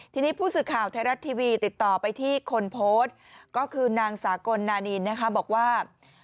ทีนี้ผู้สื่อข่าวไทยรัฐทีวีติดต่อไปที่คนโพสต์ก็คือนางสากลนานินนะคะบอกว่า